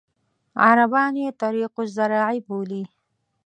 عربان یې طریق الزراعي بولي.